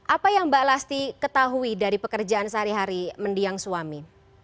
apa yang mbak lasti ketahui dari pekerjaan sehari hari mendiang suami